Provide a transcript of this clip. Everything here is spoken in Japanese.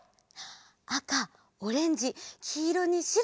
あかオレンジきいろにしろ。